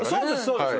そうです。